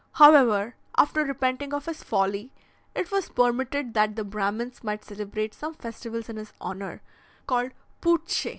However, after repenting of his folly, it was permitted that the Brahmins might celebrate some festivals in his honour, called Poutsche.